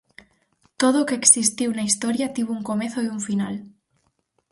Todo o que existiu na historia tivo un comezo e un final.